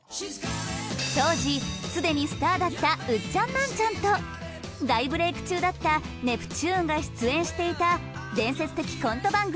当時すでにスターだったウッチャンナンチャンと大ブレイク中だったネプチューンが出演していた伝説的コント番組